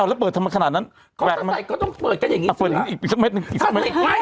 เอาแล้วเปิดทำมาขนาดนั้นก็ต้องเปิดกันอย่างงี้อีกสักเม็ดหนึ่งอีกสักเม็ด